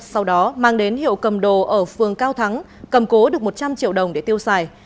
sau đó mang đến hiệu cầm đồ ở phường cao thắng cầm cố được một trăm linh triệu đồng để tiêu xài